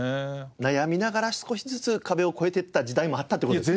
悩みながら少しずつ壁を越えてった時代もあったという事ですね。